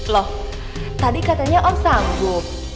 loh tadi katanya oh sanggup